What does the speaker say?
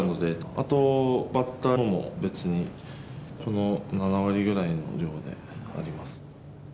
あとバッターのも別にこの７割ぐらいの量であります。